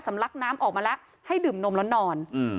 ลักน้ำออกมาแล้วให้ดื่มนมแล้วนอน